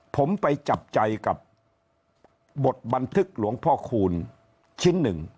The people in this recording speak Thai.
ผมไปจับใจกับบทบันทึกหลวงพ่อคูณชิ้นหนึ่ง